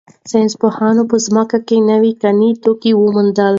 ساینس پوهانو په ځمکه کې نوي کاني توکي وموندل.